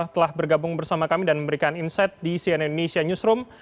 telah bergabung bersama kami dan memberikan insight di cnn indonesia newsroom